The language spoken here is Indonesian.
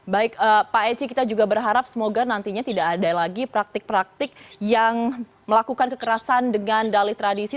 baik pak eci kita juga berharap semoga nantinya tidak ada lagi praktik praktik yang melakukan kekerasan dengan dalih tradisi